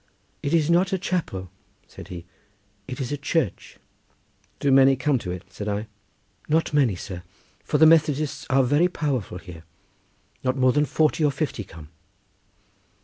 "It is not a chapel," said he, "it is a church." "Do many come to it?" said I. "Not many, sir, for the Methodists are very powerful here. Not more than forty or fifty come."